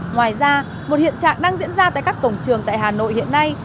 ngoài ra một hiện trạng đang diễn ra tại các cổng trường tại hà nội hiện nay